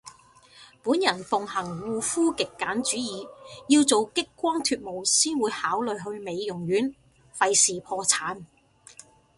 本人奉行護膚極簡主義，要做激光脫毛先會考慮去美容院，廢事破產